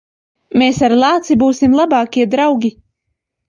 Mēs ar lāci būsim labākie draugi.